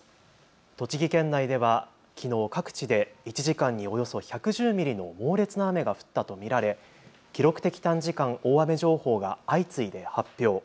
栃木県内ではきのう各地で１時間におよそ１１０ミリの猛烈な雨が降ったと見られ記録的短時間大雨情報が相次いで発表。